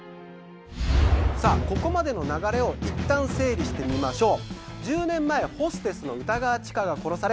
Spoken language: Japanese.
さあここまでの流れをいったん整理してみましょう。